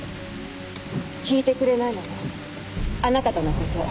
聞いてくれないならあなたとの事